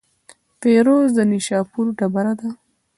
فیروزه د نیشاپور ډبره ده.